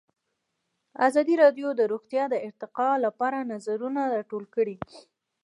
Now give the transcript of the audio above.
ازادي راډیو د روغتیا د ارتقا لپاره نظرونه راټول کړي.